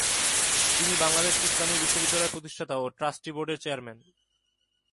তিনি বাংলাদেশ ইসলামী বিশ্ববিদ্যালয়ের প্রতিষ্ঠাতা ও ট্রাস্টি বোর্ডের চেয়ারম্যান।